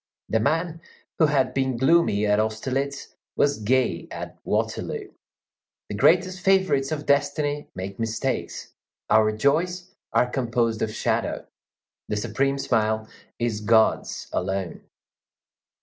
The man who had been gloomy at Austerlitz was gay at Waterloo. The greatest favorites of destiny make mistakes. Our joys are composed of shadow. The supreme smile is God's alone.